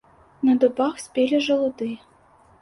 На дубах спелі жалуды.